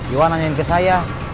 iwan nanyain ke saya